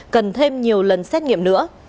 cần thêm nhiều lần xét nghiệm nữa